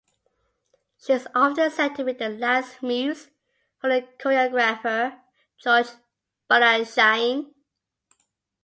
She is often said to be the last muse for the choreographer, George Balanchine.